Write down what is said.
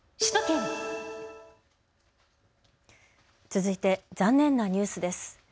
続いて残念なニュースです。